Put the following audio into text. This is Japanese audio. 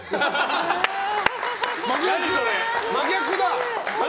真逆だ！